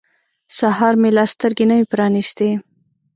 سهار مې لا سترګې نه وې پرانیستې.